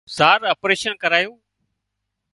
زار اپريشن ڪرايوُن